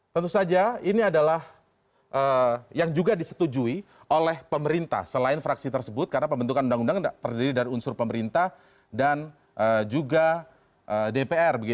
tentu saja ini adalah yang juga disetujui oleh pemerintah selain fraksi tersebut karena pembentukan undang undang terdiri dari unsur pemerintah dan juga dpr